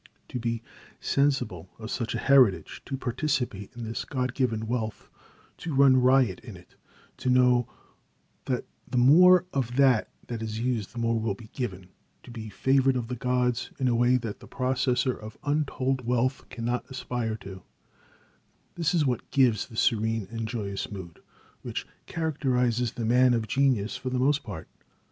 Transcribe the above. To be sensible of such an heritage, to participate in this God given wealth, to run riot in it, to know that the more of it that is used the more will be given, to be favored of the gods in a way that the possessor of untold wealth cannot aspire to this is what gives the serene and joyous mood, which characterizes the man of genius for the most part.